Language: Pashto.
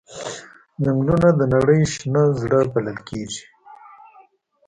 ځنګلونه د نړۍ شنه زړه بلل کېږي.